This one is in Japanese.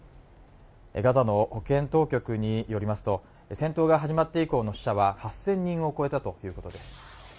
ガザの保健当局によりますと戦闘が始まって以降の死者は８０００人を超えたということです